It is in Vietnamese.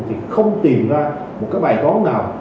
thì không tìm ra một cái bài tón nào